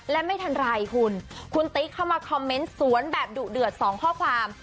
และไม่ทันไรคุณคุณติ๊กเข้ามาคอมเมนต์สวนแบบดุเดือด๒ข้อความ